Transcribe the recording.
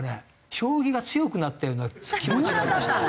将棋が強くなったような気持ちになりましたね。